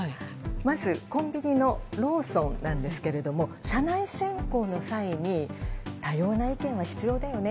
まず、コンビニのローソンですが社内選考の際に多様な意見は必要だよね。